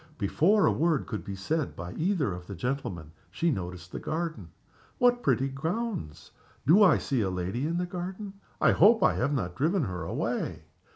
Before a word could be said by either of the gentlemen she noticed the garden. "What pretty grounds! Do I see a lady in the garden? I hope I have not driven her away."